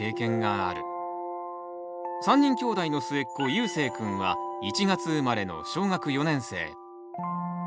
３人きょうだいの末っ子ゆうせいくんは１月生まれの小学４年生。